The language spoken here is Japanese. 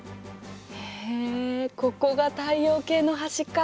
へえここが太陽系の端か。